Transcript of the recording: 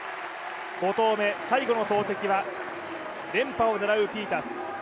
５投目最後の投てきは連覇を狙うピータース。